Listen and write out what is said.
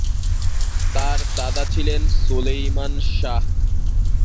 তার দাদা ছিলেন সুলেইমান শাহ।